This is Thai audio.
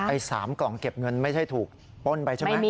๓กล่องเก็บเงินไม่ใช่ถูกป้นไปใช่ไหม